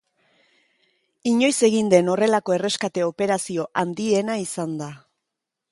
Inoiz egin den horrelako erreskate operazio handiena izan da.